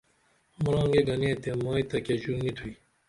مرانگے گنے تے مائی تہ کہ ژو نی تھوئی